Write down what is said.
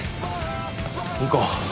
行こう。